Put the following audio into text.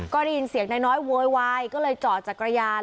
ก็ได้ยินเสียงนายน้อยโวยวายก็เลยจอดจักรยาน